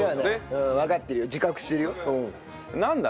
わかってるよ自覚してるよ。